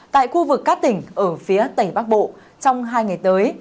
tại khu vực các tỉnh ở phía tầy bắc bộ trong hai ngày tới